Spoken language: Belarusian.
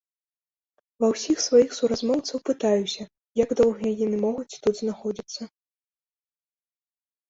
Ва ўсіх сваіх суразмоўцаў пытаюся, як доўга яны могуць тут знаходзіцца.